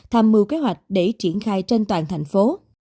tham mưu kế hoạch để triển khai trên toàn thành phố